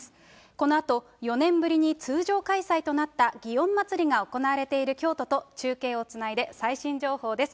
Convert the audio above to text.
このあと４年ぶりに通常開催となった祇園祭が行われている京都と中継をつないで最新情報です。